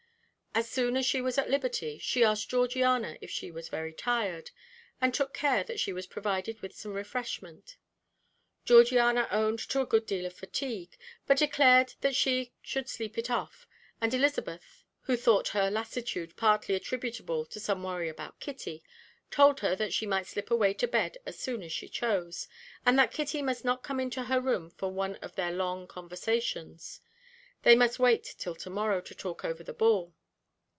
As soon as she was at liberty, she asked Georgiana if she was very tired, and took care that she was provided with some refreshment. Georgiana owned to a good deal of fatigue, but declared that she should sleep it off, and Elizabeth, who thought her lassitude partly attributable to some worry about Kitty, told her that she might slip away to bed as soon as she chose, and that Kitty must not come into her room for one of their long conversations; they must wait till to morrow to talk over the ball.